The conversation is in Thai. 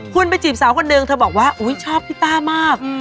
คุณจีบสาวคนเดิงบอกว่าชอบพี่ตามาก